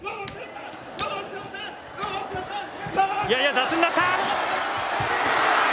やや雑になった！